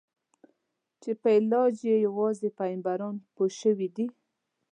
چې په علاج یې یوازې پیغمبران پوه شوي دي.